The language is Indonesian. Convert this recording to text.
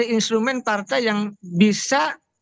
instrumen partai yang bisa